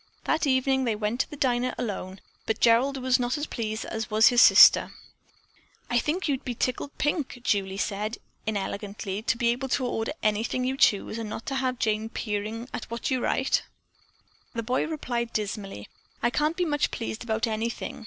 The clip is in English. That evening they went to the diner alone, but Gerald was not as pleased as was his sister. "I should think you'd be tickled pink," Julie said, inelegantly, "to be able to order anything you choose and not have Jane peering at what you write." The boy replied dismally: "I can't be much pleased about anything.